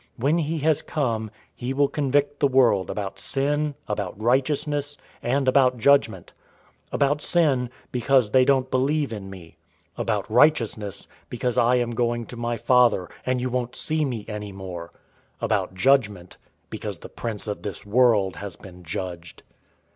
016:008 When he has come, he will convict the world about sin, about righteousness, and about judgment; 016:009 about sin, because they don't believe in me; 016:010 about righteousness, because I am going to my Father, and you won't see me any more; 016:011 about judgment, because the prince of this world has been judged.